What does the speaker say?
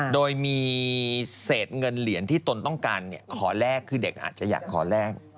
โดยมีเศษเงินเหรียญที่ตนต้องการขอแลกคือเด็กอาจจะอยากขอแลก